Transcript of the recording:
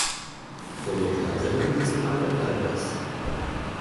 Projektleiterin ist Margret Albers.